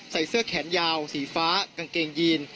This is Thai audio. ใส่เสื้อแขนยาวสีฟ้ากางเกงยีน